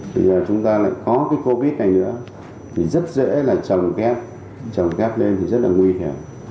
thì chúng ta lại có cái covid này nữa thì rất dễ là trồng kép trồng kép lên thì rất là nguy hiểm